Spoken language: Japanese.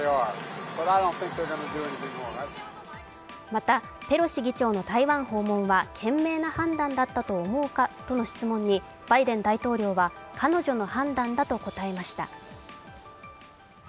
また、ペロシ議長の台湾訪問は賢明な判断だったと思うかとの質問にバイデン大統領は、彼女の判断だと答えました。